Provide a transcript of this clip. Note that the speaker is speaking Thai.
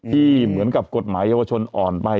ที่เหมือนกับกฎหมายเยาวชนอ่อนไป